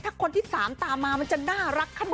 ถ้าคนที่๓ตามมามันจะน่ารักขนาดไหน